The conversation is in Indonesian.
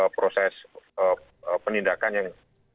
proses penindakan yang